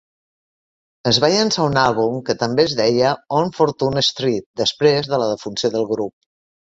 Es va llençar un àlbum, que també es deia "On Fortune Street" després de la defunció del grup.